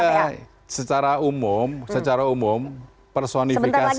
karena secara umum secara umum personifikasi